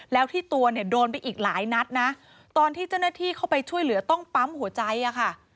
แล้วที่ตัวเนี่ยโดนไปอีกหลายนัดนะตอนที่เจ้าหน้าที่เข้าไปช่วยเหลือต้องปั๊มหัวใจอะค่ะ